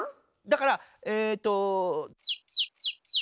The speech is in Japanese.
だからえと。